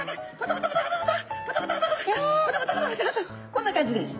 こんな感じです。